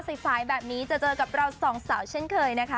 สายแบบนี้จะเจอกับเราสองสาวเช่นเคยนะคะ